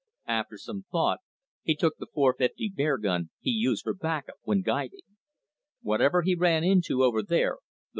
After some thought, he took the .450 bear gun he used for back up when guiding. Whatever he ran into over there, the